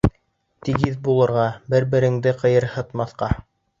Тигеҙ булырға, бер-береңде ҡыйырһытмаҫҡа...